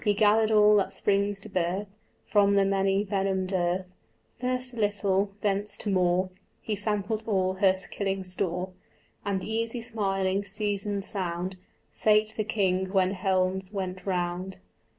He gathered all that springs to birth From the many venomed earth; First a little, thence to more, He sampled all her killing store; And easy, smiling, seasoned sound, Sate the king when healths went round.